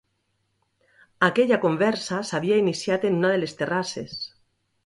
Aquella conversa s’havia iniciat en una de les terrasses.